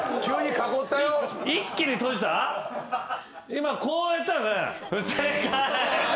今こうやったよね？